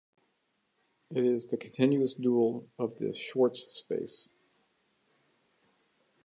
It is the continuous dual of the Schwartz space.